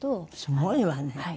すごいわね。